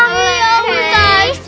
boleh ya ustazah